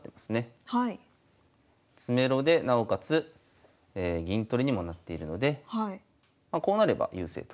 詰めろでなおかつ銀取りにもなっているのでこうなれば優勢と。